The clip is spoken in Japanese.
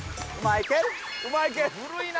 古いな。